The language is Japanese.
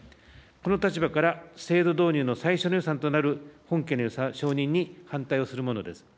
この立場から制度導入の最初の予算となる本件の予算承認に反対をするものです。